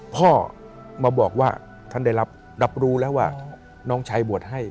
พ่อมาบอกว่าท่านได้รับรู้แล้วว่าน้องชายบวชให้